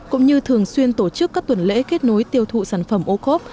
cũng như thường xuyên tổ chức các tuần lễ kết nối tiêu thụ sản phẩm ocob